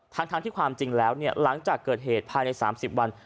ทั้งที่ความจริงแล้วหลังจากเกิดเหตุภายใน๓๐วัน